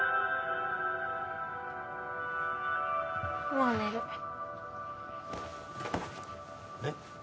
もう寝るえっ？